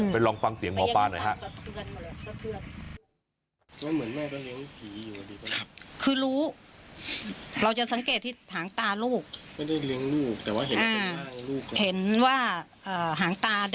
ลองฟังเสียงหมอปลาหน่อยฮะ